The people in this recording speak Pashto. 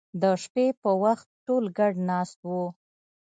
د شپې په وخت ټول ګډ ناست وو